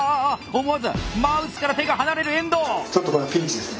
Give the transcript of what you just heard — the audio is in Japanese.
思わずマウスから手が離れる遠藤！